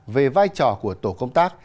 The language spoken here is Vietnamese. về vai trò của tổ công tác